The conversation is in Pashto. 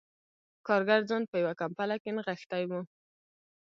کارګر ځان په یوه کمپله کې نغښتی و